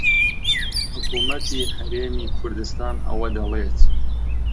حکوومەتی هەرێمی کوردستان ئەوە دەڵێت